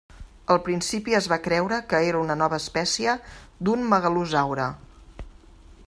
Al principi es va creure que era una nova espècie d'un megalosaure.